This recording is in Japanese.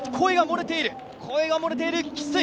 声が漏れている、きつい！